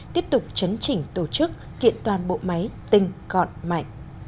tiếp tục chấn chỉnh tổ chức kiện toàn bộ máy tinh gọn mạnh